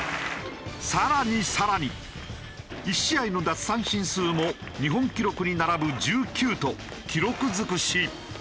更に更に１試合の奪三振数も日本記録に並ぶ１９と記録尽くし。